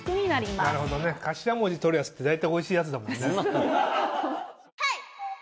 なるほどね頭文字取るやつって大体おいしいやつだもんね。